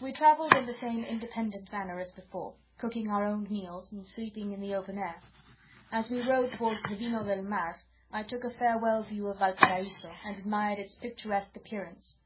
We travelled in the same independent manner as before, cooking our own meals, and sleeping in the open air. As we rode towards the Vino del Mar, I took a farewell view of Valparaiso, and admired its picturesque appearance.